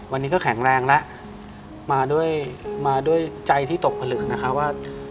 วันนี้ก็แข็งแรงแล้วมาด้วยมาด้วยใจที่ตกผลึกนะคะว่า